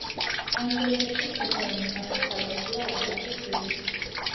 ამ დროისათვის ქეთევანის ახლოს არ ყოფილა არცერთი შვილი.